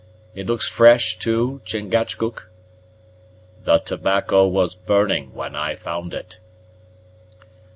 It looks fresh, too, Chingachgook?" "The tobacco was burning when I found it."